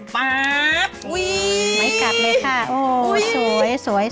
ไหลกับเลยค่ะสวย